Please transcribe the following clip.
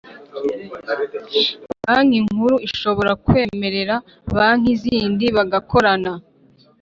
Banki Nkuru ishobora kwemerera banki zindi bagakorana.